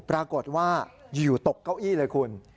ปรากฏว่าอยู่ตกเก้าอี้เลยคุณ